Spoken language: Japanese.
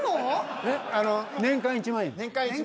年間１万円。